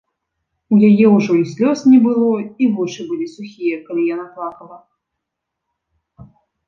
У яе ўжо і слёз не было, і вочы былі сухія, калі яна плакала.